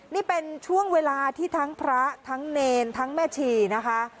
นี่เป็นช่วงเวลาที่ทั้งพระทั้งเนรทั้งแม่ชีนะคะ